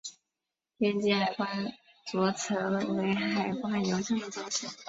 天津海关遂成为海关邮政的中心。